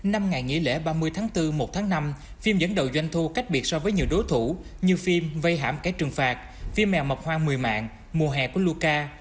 năm ngày nghỉ lễ ba mươi tháng bốn một tháng năm phim dẫn đầu doanh thu cách biệt so với nhiều đối thủ như phim vây hãm kẻ trừng phạt phim mèo mọc hoang một mươi mạng mùa hè của luka